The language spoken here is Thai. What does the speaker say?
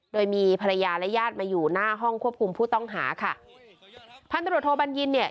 โดยมีภรรยาและญาติมาอยู่หน้าห้องควบคุมผู้ต้องหาค่ะพันตรวจโทบัญญินเนี่ย